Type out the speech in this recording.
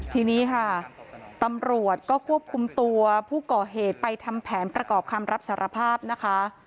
ทีนี้ค่ะตำรวจก็ควบคุมตัวผู้ก่อเหตุไปทำแผนประกอบคำรับสารภาพนะคะ